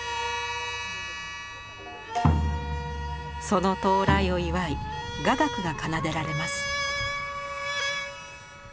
その到来を祝い雅楽が奏でられます。